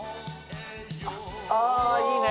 あいいね！